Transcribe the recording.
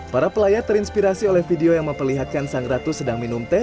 para pelayat terinspirasi oleh video yang memperlihatkan sang ratu sedang minum teh